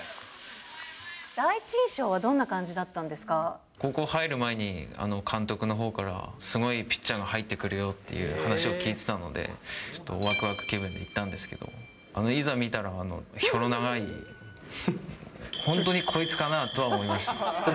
第一印象はどんな感じだった高校に入る前に、監督のほうから、すごいピッチャーが入ってくるよっていう話を聞いてたので、ちょっとわくわく気分で行ったんですけど、いざ見たら、ひょろ長い、本当にこいつかなぁとは思いました。